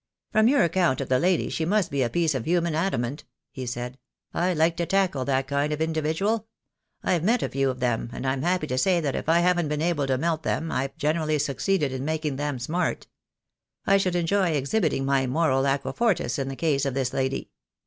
"From your account of the lady she must be a piece of human adamant," he said. "I like to tackle that kind of individual. I've met a few of them, and I'm happy to say that if I haven't been able to melt them Fve generally succeeded in making them smart. I should enjoy exhibiting my moral aquafortis in the case of this lady.